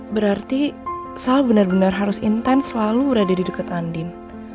berarti sal bener bener harus intense selalu berada di deket andin